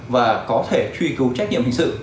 và có thể truy cứu trách nhiệm hình sự